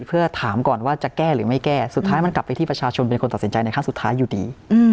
เพื่อถามก่อนว่าจะแก้หรือไม่แก้สุดท้ายมันกลับไปที่ประชาชนเป็นคนตัดสินใจในขั้นสุดท้ายอยู่ดี